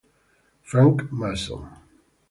Frank Mason